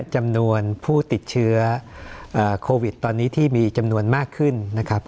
จำนวนผู้ติดเชื้อโควิดตอนนี้ที่มีจำนวนมากขึ้นนะครับ